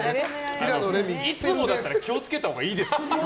いつもだったら気を付けたほうがいいですよ。